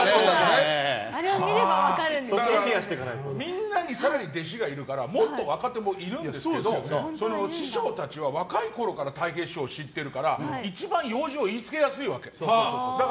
みんなに更に弟子がいるからもっと若手もいるんですけど師匠たちは、若いころからたい平師匠を知ってるから一番用事を言いつけやすいわけ。